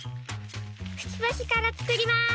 くちばしからつくります。